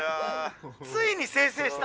ついに生成した。